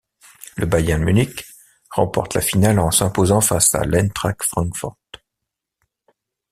Le Bayern Munich remporte la finale en s'imposant face à l'Eintracht Francfort.